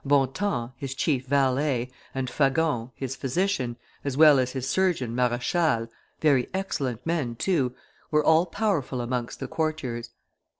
Bontemps, his chief valet, and Fagon, his physician, as well as his surgeon Marachal, very excellent men, too, were all powerful amongst the courtiers.